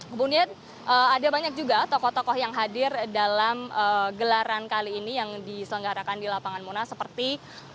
kemudian ada banyak juga tokoh tokoh yang hadir dalam gelaran kali ini yang diselenggarakan di lapangan munas seperti